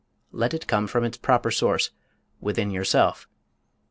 Let it come from its proper source within yourself.